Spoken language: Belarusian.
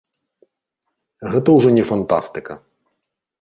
Гэта ўжо не фантастыка.